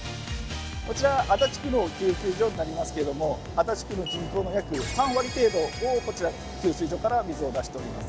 こちら足立区の給水所になりますけども足立区の人口の約３割程度をこちらの給水所から水を出しております。